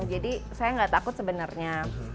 jadi saya nggak takut sebenarnya